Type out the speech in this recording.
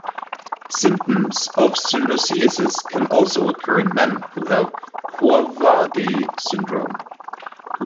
Symptoms of pseudocyesis can also occur in men who have couvade syndrome.